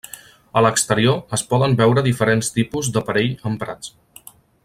A l'exterior es poden veure diferents tipus d'aparell emprats.